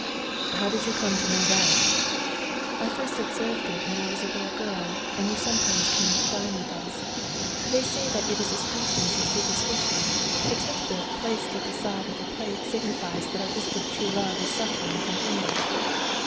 "How did you come to know that?" "I first observed it when I was a little girl and you sometimes came to dine with us. They say that it is a species of superstition; the tit bit placed at the side of the plate signifies that our distant true love is suffering from hunger."